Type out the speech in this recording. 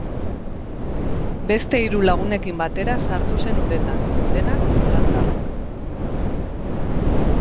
Beste hiru lagunekin batera sartu zen uretan, denak holandarrak.